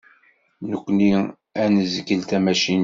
Nekni ad nezgel tamacint.